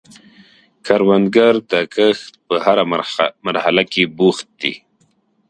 کروندګر د کښت په هره مرحله کې بوخت دی